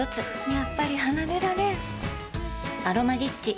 やっぱり離れられん「アロマリッチ」